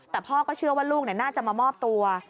แต่พ่อก็เชื่อว่าลูกน่าจะมามอบตัว